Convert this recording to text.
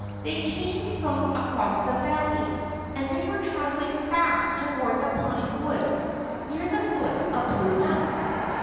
They came from across the valley. And they were travelling fast toward the pine woods near the foot of Blue Mountain.